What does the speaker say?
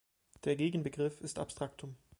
Der Gegenbegriff ist Abstraktum.